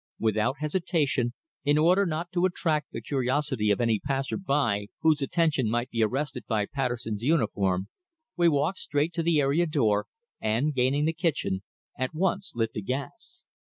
Without hesitation, in order not to attract the curiosity of any passer by whose attention might be arrested by Patterson's uniform, we walked straight to the area door, and gaining the kitchen, at once lit the gas.